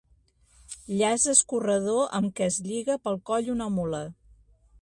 Llaç escorredor amb què es lliga pel coll una mula.